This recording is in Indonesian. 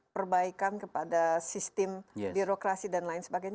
perbaikan kepada sistem birokrasi dan lain sebagainya